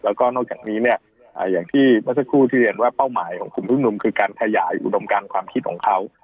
แล้วก็นอกจากนี้เนี่ยอย่างที่เมื่อสักครู่ที่เรียนว่าเป้าหมายของกลุ่มผู้ชุมนุมคือการขยายอุดมการความคิดของเขา